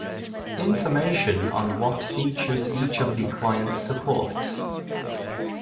Information on what features each of the clients support.